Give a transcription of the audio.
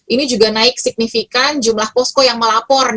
ini juga naik signifikan jumlah posko yang melapor